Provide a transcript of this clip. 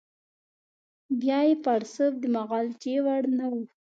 بیا یې پړسوب د معالجې وړ نه وو.